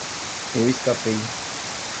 Eu escapei